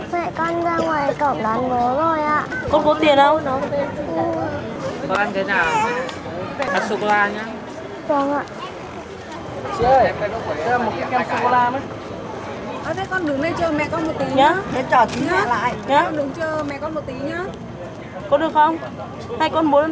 mẹ con ạ